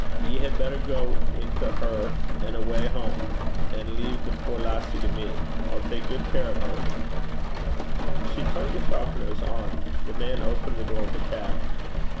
'Ye had better gang into her an' awa' hame, and lea' the poor lassie to me. I'll tak guid care o' her.' She clung to Falconer's arm. The man opened the door of the cab.